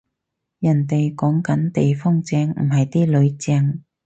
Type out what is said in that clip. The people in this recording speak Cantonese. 人哋講緊地方正，唔係啲囡正